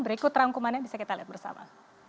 berikut rangkumannya bisa kita lihat bersama